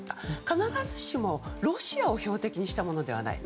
必ずしもロシアを標的にしたものではない。